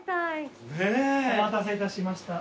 お待たせいたしました。